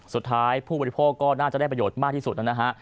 ผู้บริโภคก็น่าจะได้ประโยชน์มากที่สุดนะฮะ